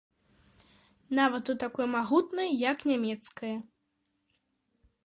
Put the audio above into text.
Нават у такой магутнай, як нямецкая.